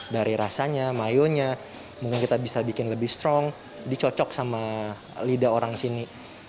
dari rasanya mayonya mungkin kita bisa bikin lebih strong dicocok sama lidah orang sini